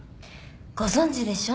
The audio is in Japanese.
ご存じでしょう？